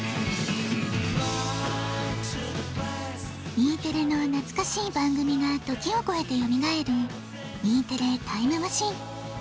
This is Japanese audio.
Ｅテレのなつかしい番組が時をこえてよみがえるＥテレタイムマシン。